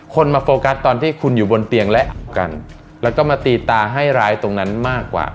มาโฟกัสตอนที่คุณอยู่บนเตียงและกันแล้วก็มาตีตาให้ร้ายตรงนั้นมากกว่า